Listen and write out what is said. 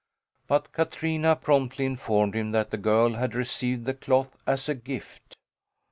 But Katrina promptly informed him that the girl had received the cloth as a gift.